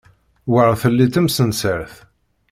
Wer telli temsensert.